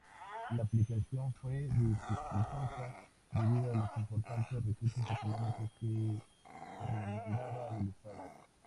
La aplicación fue dificultosa debido a los importantes recursos económicos que demandaba del Estado.